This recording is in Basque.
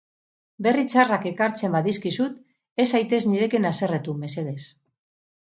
Berri txarrak ekartzen badizkizut, ez zaitez nirekin haserretu, mesedez.